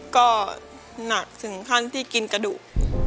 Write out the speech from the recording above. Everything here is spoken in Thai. ก็หนักถึงขั้นที่กินกระดูก